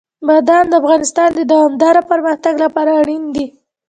بادام د افغانستان د دوامداره پرمختګ لپاره اړین دي.